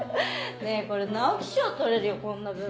ねぇこれ直木賞取れるよこんな文。